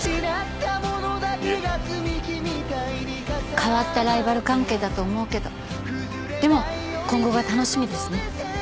変わったライバル関係だと思うけどでも今後が楽しみですね。